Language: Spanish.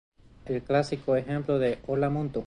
El clásico ejemplo de Hola Mundo!